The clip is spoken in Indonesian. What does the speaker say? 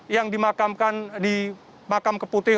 yang dimakamkan di makam keputih